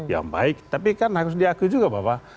yang baik tapi kan harus diakui juga bahwa